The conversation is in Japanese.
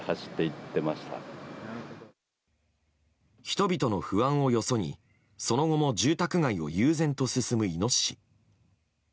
人々の不安をよそにその後も住宅街を悠然と進むイノシシ。